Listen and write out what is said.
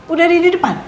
udah di depan